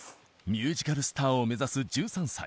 ミュージカルスターを目指す１３歳。